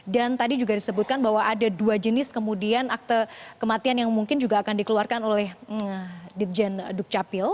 dan tadi juga disebutkan bahwa ada dua jenis kemudian akte kematian yang mungkin juga akan dikeluarkan oleh ditjen dukcapil